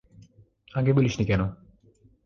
আগে বলিসনি কেন?